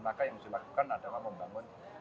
maka yang harus dilakukan adalah membangun